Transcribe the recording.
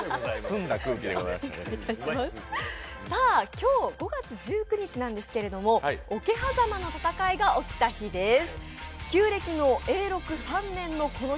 今日５月１９日なんですけども桶狭間の戦いが起きた日です。